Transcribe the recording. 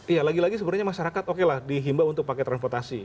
iya lagi lagi sebenarnya masyarakat oke lah dihimbau untuk pakai transportasi